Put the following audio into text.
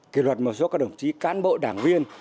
kỷ luật một số các đồng chí cán bộ đảng viên